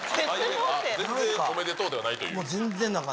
全然おめでとうではないといもう全然な感じ。